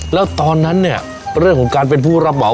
แล้วตอนนั้นเนี่ยเรื่องของการเป็นผู้รับเหมา